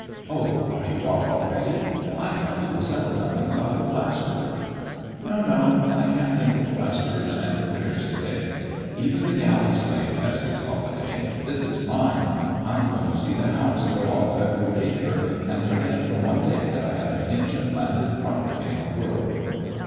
Oh, are you off already? I thought you would settle something about the plasterer." "No, no; I can't think of plasterers and repairs to day. Even the galley slave has his holiday this is mine. I am going to see the hounds throw off at Rood Acre, and forget for one day that I have an inch of landed property in the world."